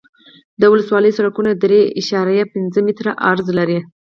د ولسوالیو سرکونه درې اعشاریه پنځه متره عرض لري